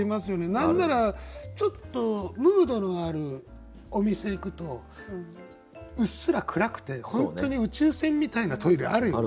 何ならちょっとムードのあるお店行くとうっすら暗くて本当に宇宙船みたいなトイレあるよね。